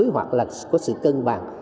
hoặc là có sự cân bằng